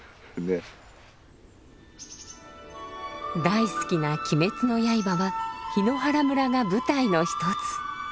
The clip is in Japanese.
大好きな「鬼滅の刃」は檜原村が舞台の一つ。